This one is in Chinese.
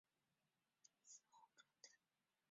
死后追赠正二位。